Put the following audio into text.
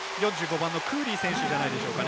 ４５番のクーリー選手じゃないでしょうか。